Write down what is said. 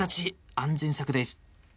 安全策です。